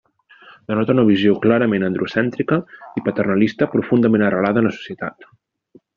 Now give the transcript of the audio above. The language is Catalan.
Denota una visió clarament androcèntrica i paternalista profundament arrelada en la societat.